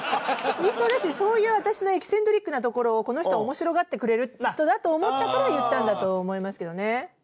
言いそうだしそういう私のエキセントリックなところをこの人は面白がってくれる人だと思ったから言ったんだと思いますけどね。